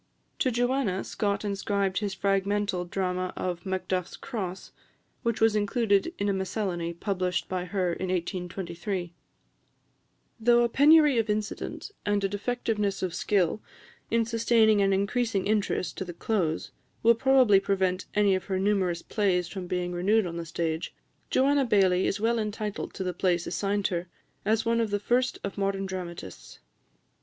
To Joanna, Scott inscribed his fragmental drama of "Macduff's Cross," which was included in a Miscellany published by her in 1823. Though a penury of incident, and a defectiveness of skill in sustaining an increasing interest to the close, will probably prevent any of her numerous plays from being renewed on the stage, Joanna Baillie is well entitled to the place assigned her as one of the first of modern dramatists.